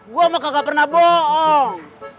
gua mah kagak pernah bohong